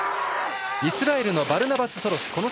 イスラエルのバルナバス・ソロス。